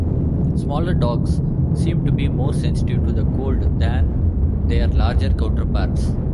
Smaller dogs seem to be more sensitive to the cold than their larger counterparts.